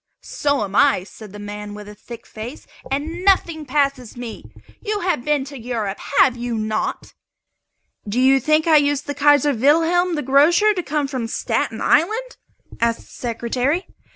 "So am I," said the man with a thick face; "and nothing passes me. You have been to Europe, have you not?" "Do you think I used the 'Kaiser Wilhelm the Grocer' to come from Staten Island?" asked the Secretary.